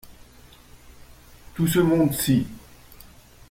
Tout ce monde-ci.